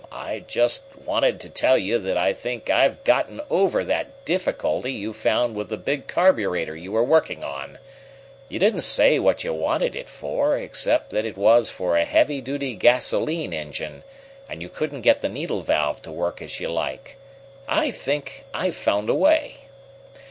I just wanted to tell you that I think I've gotten over that difficulty you found with the big carburetor you were working on. You didn't say what you wanted it for, except that it was for a heavy duty gasolene engine, and you couldn't get the needle valve to work as you'd like. I think I've found a way."